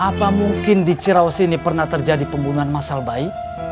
apa mungkin di ciraos ini pernah terjadi pembunuhan massal bayi